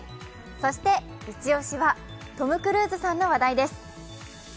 そして一押しはトム・クルーズさんの話題です。